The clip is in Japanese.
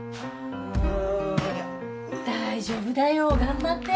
大丈夫だよ。頑張って。